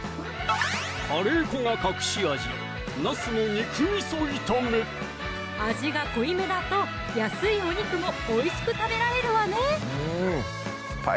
カレー粉が隠し味味が濃いめだと安いお肉もおいしく食べられるわね